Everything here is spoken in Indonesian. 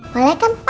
boleh kan pa